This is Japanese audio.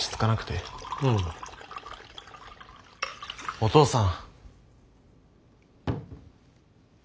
お父さん。